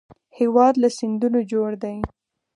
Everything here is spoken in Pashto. هېواد له سیندونو جوړ دی